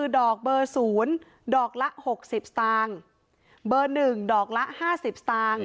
ดอกเบอร์ศูนย์ดอกละหกสิบสตางค์เบอร์หนึ่งดอกละห้าสิบสตางค์